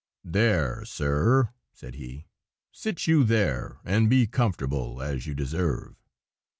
"There, sir!" he said, "sit you there and be comfortable, as you deserve."